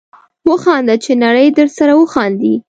وخانده چې نړۍ درسره وخاندي